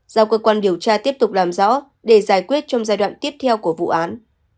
giao cơ quan điều tra tiếp tục làm rõ để giải quyết trong giai đoạn tiếp theo của vụ án